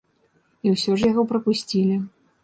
І ўсё ж яго прапусцілі.